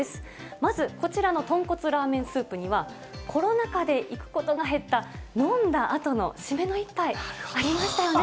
まずこちらのとんこつラーメンスープには、コロナ禍で行くことが減った、飲んだあとの締めの一杯、ありましたよね？